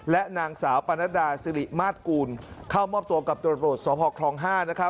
และนางสาวปรณดาสิริมาทกูลเข้ามอบตัวกับตรวจสค๕